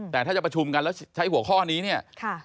แต่ถ้าจะประชุมกันแล้วใช้หัวข้อนี้เนี่ย